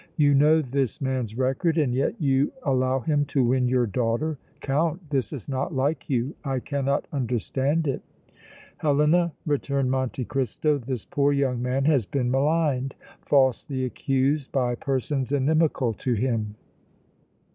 "You know this man's record and yet you allow him to win your daughter! Count, this is not like you! I cannot understand it!" "Helena," returned Monte Cristo, "this poor young man has been maligned, falsely accused by persons inimical to him."